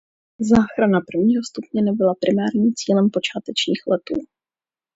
Záchrana prvního stupně nebyla primárním cílem počátečních letů.